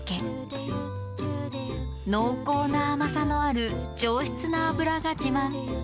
濃厚な甘さのある上質な脂が自慢。